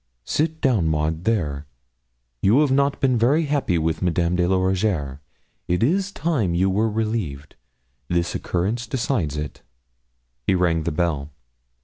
'Sit down, Maud, there. You have not been very happy with Madame de la Rougierre. It is time you were relieved. This occurrence decides it.' He rang the bell.